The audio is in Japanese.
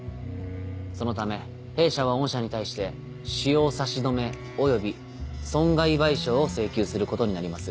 そのため弊社は御社に対して使用差止め及び損害賠償を請求することになります。